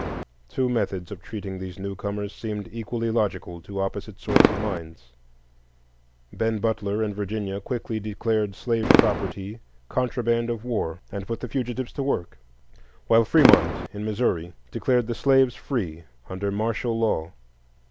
Two methods of treating these newcomers seemed equally logical to opposite sorts of minds. Ben Butler, in Virginia, quickly declared slave property contraband of war, and put the fugitives to work; while Fremont, in Missouri, declared the slaves free under martial law.